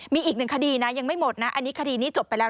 มีอีกหนึ่งคดีนะยังไม่หมดนะอันนี้คดีนี้จบไปแล้ว